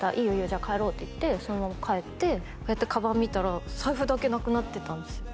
じゃあ帰ろうっていってそのまま帰ってこうやってカバン見たら財布だけなくなってたんですよ